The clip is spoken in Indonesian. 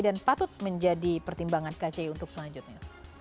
dan patut menjadi pertimbangan kci untuk selanjutnya